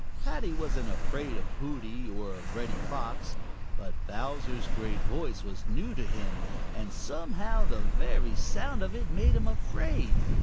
Paddy wasn't afraid of Hooty or of Reddy Fox, but Bowser's great voice was new to him, and somehow the very sound of it made him afraid.